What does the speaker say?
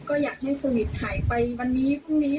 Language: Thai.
ก็อยากไปทำการแสดงให้แฟนคลับได้ดูอีกครั้งหนึ่งค่ะ